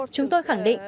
chúng tôi khẳng định rằng